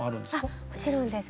もちろんです。